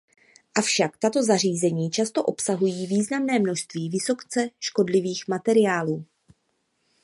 Avšak tato zařízení často obsahují významné množství vysoce škodlivých materiálů.